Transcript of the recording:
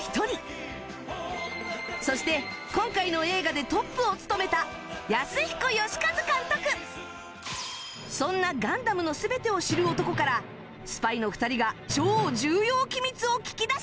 そして今回の映画でトップを務めたそんな『ガンダム』の全てを知る男からスパイの２人が超重要機密を聞き出します